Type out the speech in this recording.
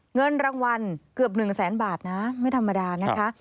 เงินรางวัลเกือบ๑แสนบาทนะไม่ธรรมดานะคะ